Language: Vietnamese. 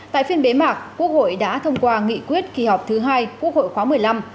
tại phiên bế mạc quốc hội đã thông qua nghị quyết kỳ họp thứ hai quốc hội khóa một mươi năm